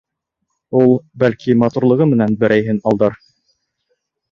Ул, бәлки, матурлығы менән берәйһен алдар.